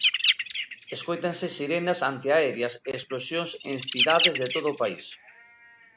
Escóitanse sirenas antiaéreas e explosións en cidades de todo o país.